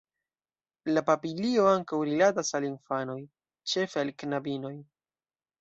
La papilio ankaŭ rilatas al infanoj, ĉefe al knabinoj.